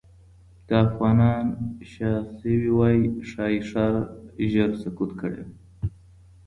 که افغانان شا شوې وای، ښایي ښار ژر سقوط کړی وای.